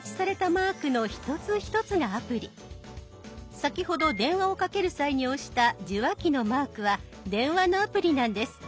先ほど電話をかける際に押した受話器のマークは電話のアプリなんです。